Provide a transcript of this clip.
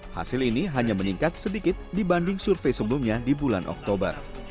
hasil ini hanya meningkat sedikit dibanding survei sebelumnya di bulan oktober